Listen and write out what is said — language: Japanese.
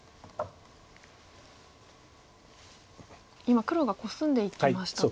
今黒がコスんでいきました。